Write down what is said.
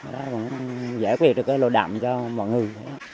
rồi giải quyết được cái lô đậm cho mọi người